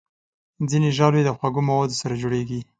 ځینې ژاولې د خوږو موادو سره جوړېږي.